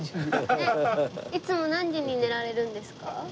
いつも何時に寝られるんですか？